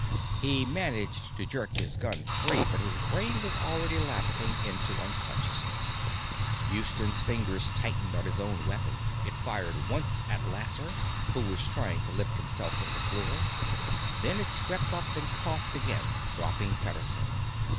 He managed to jerk his gun free, but his brain was already lapsing into unconsciousness. Houston's fingers tightened on his own weapon. It fired once at Lasser, who was trying to lift himself from the floor. Then it swept up and coughed again, dropping Pederson.